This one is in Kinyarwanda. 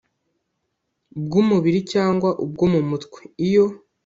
bw umubiri cyangwa ubwo mu mutwe iyo